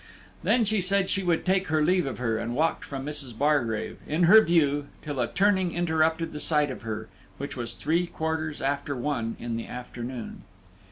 Then she said she would take her leave of her, and walked from Mrs. Bargrave, in her view, till a turning interrupted the sight of her, which was three quarters after one in the afternoon.